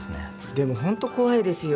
でもホント怖いですよ。